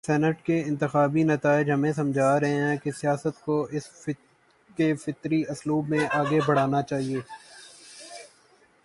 Senate کے انتخاباتی نتائج ہمیں سمجھا رہے ہیں کہ سیاست کو اس کے فطری اسلوب میں آگے بڑھنا چاہیے۔